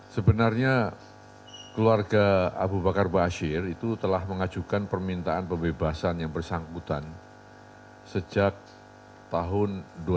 sebenarnya keluarga abu bakar basir itu telah mengajukan permintaan pembebasan yang bersangkutan sejak tahun dua ribu tujuh belas